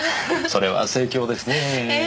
それは盛況ですねえ。